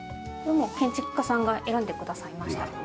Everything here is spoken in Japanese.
建築家さんが選んでくださいました。